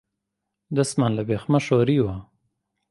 دەستمان لە بێخمە شۆریوە